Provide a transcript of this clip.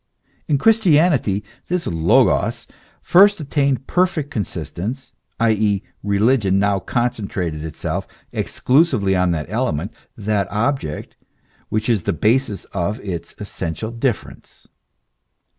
In Christianity this Logos first attained perfect consistence, i.e., religion now concentrated itself exclusively on that element, that object, which is the basis of its essential difference.